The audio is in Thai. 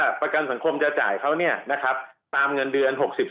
ทางประกันสังคมก็จะสามารถเข้าไปช่วยจ่ายเงินสมทบให้๖๒